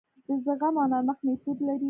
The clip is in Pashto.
د زغم او نرمښت میتود لري.